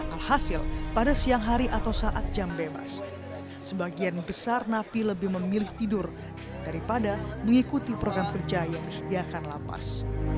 alhasil pada siang hari atau saat jam bebas sebagian besar napi lebih memilih tidur daripada mengikuti program kerja yang disediakan lapas